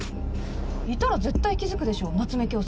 いたら絶対気付くでしょう夏目恭輔。